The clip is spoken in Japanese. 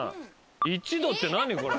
１度って何これ。